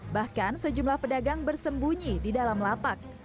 bahkan sejumlah pedagang bersembunyi di dalam lapak